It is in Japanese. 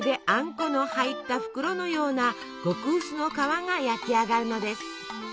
この入った袋のような極薄の皮が焼き上がるのです。